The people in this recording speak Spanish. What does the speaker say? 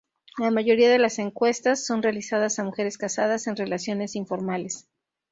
La mayoría de las encuestas son realizadas a mujeres casadas en relaciones informales.